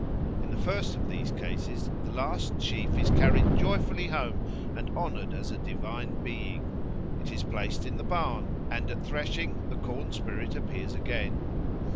In the first of these cases, the last sheaf is carried joyfully home and honoured as a divine being. It is placed in the barn, and at threshing the corn spirit appears again.